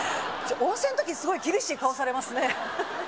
温泉の時すごい厳しい顔されますね